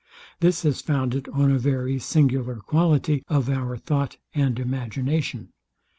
This is founded on a very singular quality of our thought and imagination.